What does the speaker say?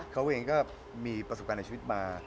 เขาเองก็มีประสบการณ์ในชีวิตมา